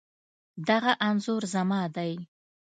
دغه انځور زما دی